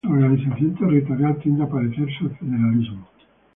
Su organización territorial tiende a parecerse al federalismo.